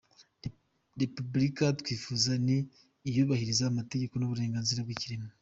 Repubulika twifuza ni iyubahiriza amategeko n’uburenganzira bw’ikiremwa